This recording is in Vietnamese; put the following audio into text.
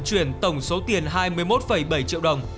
chuyển tổng số tiền hai mươi một bảy triệu đồng